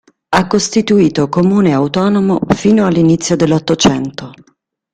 Ha costituito comune autonomo fino all'inizio dell'Ottocento.